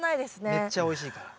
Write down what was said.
めっちゃおいしいから。